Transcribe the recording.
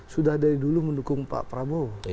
sudah dari dulu mendukung pak prabowo